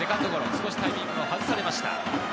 少しタイミングを外されました。